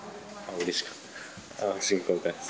うれしかったです。